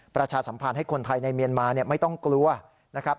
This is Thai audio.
ประชาสัมพันธ์ให้คนไทยในเมียนมาไม่ต้องกลัวนะครับ